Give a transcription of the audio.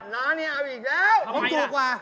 น้านี่เอาอีกแล้ว